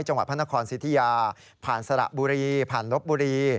จังหวัดพระนครสิทธิยาผ่านสระบุรีผ่านลบบุรี